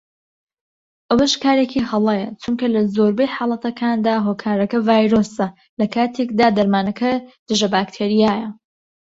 ئەوەش کارێکی هەڵەیە چونکە لە زۆربەی حاڵەتەکاندا هۆکارەکە ڤایرۆسە لەکاتێکدا دەرمانەکە دژە بەکتریایە